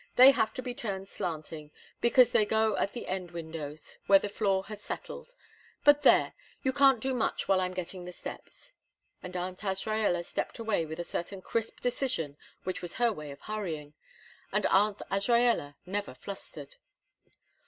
They have to be turned slanting, because they go at the end windows, where the floor has settled. But there! You can't do much while I'm getting the steps." And Aunt Azraella stepped away with a certain crisp decision which was her way of hurrying Aunt Azraella never flustered.